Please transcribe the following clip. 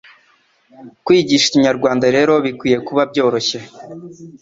Kwigisha Ikinyarwanda rero bikwiye kuba byoroshye